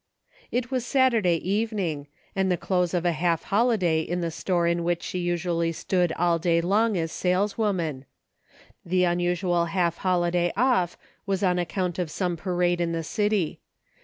It was Saturday evening, and the close of a half holiday in the store in which she usually stood all day long as saleswoman. The un usual half day off was on account of some parade in the city.